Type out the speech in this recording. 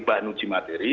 bahan uji materi